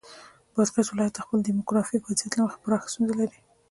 بادغیس ولایت د خپل دیموګرافیک وضعیت له مخې پراخې ستونزې لري.